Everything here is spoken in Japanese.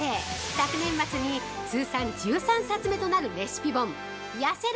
去年末に通算１３冊目となるレシピ本「やせる！